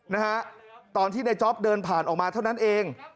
นะฮะตอนที่ในจ๊อปเดินผ่านออกมาเท่านั้นเอง